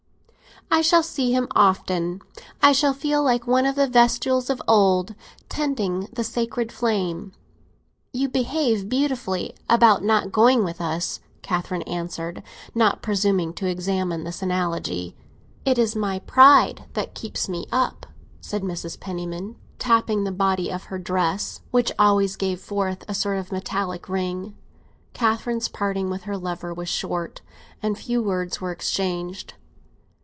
"I shall see him often; I shall feel like one of the vestals of old, tending the sacred flame." "You behave beautifully about not going with us," Catherine answered, not presuming to examine this analogy. "It is my pride that keeps me up," said Mrs. Penniman, tapping the body of her dress, which always gave forth a sort of metallic ring. Catherine's parting with her lover was short, and few words were exchanged.